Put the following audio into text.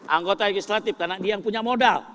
anggota legislatif karena dia yang punya modal